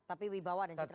tapi wibawa dan citra partai